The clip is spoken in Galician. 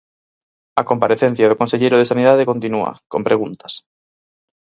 A comparecencia do conselleiro de Sanidade continúa, con preguntas.